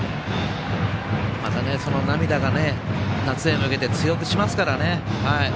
またその涙が夏に向けて強くしますからね。